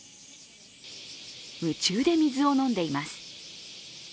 夢中で水を飲んでいます。